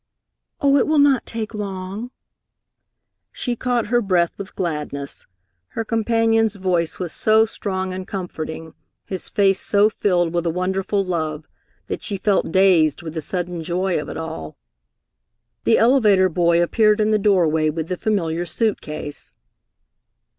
"Oh, it will not take long." She caught her breath with gladness. Her companion's voice was so strong and comforting, his face so filled with a wonderful love, that she felt dazed with the sudden joy of it all. The elevator boy appeared in the doorway with the familiar suit case.